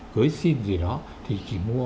cưới xin gì đó thì chỉ mua